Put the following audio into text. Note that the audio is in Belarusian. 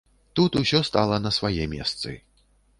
Тут усё стала на свае месцы.